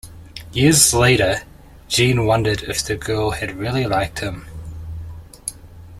Years later, Jean wondered if the girl had really liked him.